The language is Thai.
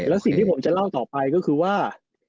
แล้วสิ่งที่ผมจะเล่าต่อไปก็คือว่า